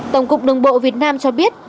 tổng cục đồng bộ việt nam cho biết